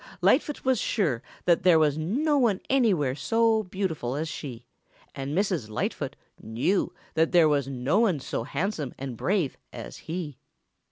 Lightfoot was sure that there was no one anywhere so beautiful as she, and Mrs. Lightfoot knew that there was no one so handsome and brave as he.